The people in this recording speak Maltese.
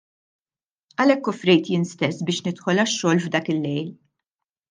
Għalhekk offrejt jien stess biex nidħol għax-xogħol f'dak il-lejl.